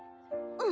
うん。